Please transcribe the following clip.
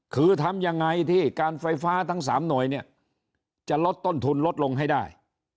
คือทำยังไงที่การไฟฟ้าทั้ง๓หน่วยเนี่ยจะลดต้นทุนลดลงให้ได้